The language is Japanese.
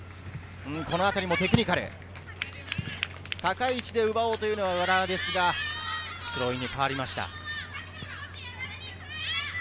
このあたりもテクニカル、高い位置で奪おうというのは浦和ですが、スローインに変わりました。